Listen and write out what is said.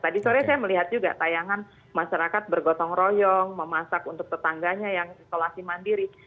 tadi sore saya melihat juga tayangan masyarakat bergotong royong memasak untuk tetangganya yang isolasi mandiri